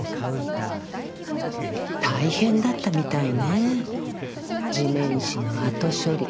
大変だったみたいね地面師の後処理。